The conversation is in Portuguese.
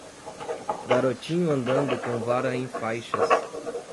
garotinho andando com vara em faixas